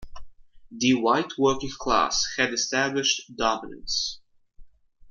The white working class had established dominance.